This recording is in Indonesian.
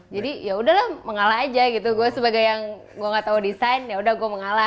jadi ya udahlah mengalah aja gitu gue sebagai yang gue gak tahu desain ya udah gue mengalah